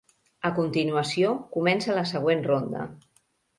A continuació, comença la següent ronda.